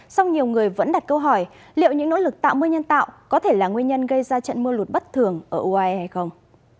song nhiều người vẫn đặt câu hỏi liệu những nỗ lực tạo mưa nhân tạo có thể là nguyên nhân gây ra trận mưa lụt bất thường ở uae hay không